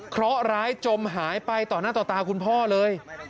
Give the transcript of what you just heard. เพราะร้ายจมหายไปต่อหน้าต่อตาคุณพ่อเลย